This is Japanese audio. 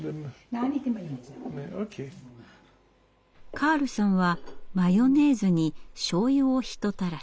カールさんはマヨネーズにしょうゆをひとたらし。